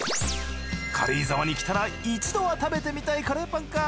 軽井沢に来たら一度は食べてみたいカレーパンか。